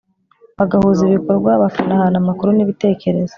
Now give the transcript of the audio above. bagahuza ibikorwa bakanahana amakuru n'ibitekerezo